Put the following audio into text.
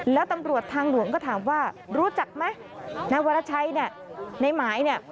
แล้วตำรวจทางหลวงก็ถามว่ารู้จักไหมนายวรชัยในหมาย